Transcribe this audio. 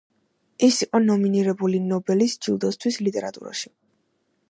ის იყო ნომინირებული ნობელის ჯილდოსთვის ლიტერატურაში.